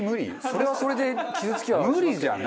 それはそれで傷つきは。